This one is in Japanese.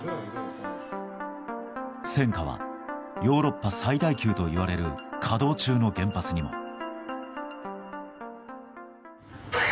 戦火はヨーロッパ最大級といわれる稼働中の原発にも。